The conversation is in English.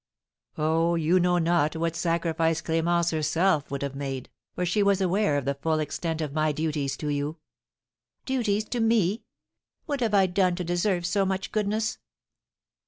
"Oh, you know not what sacrifice Clémence herself would have made, for she was aware of the full extent of my duties to you!" "Duties to me! What have I done to deserve so much goodness?"